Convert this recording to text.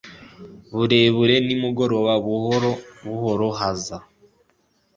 Burebure nimugoroba buhoro buhoro haza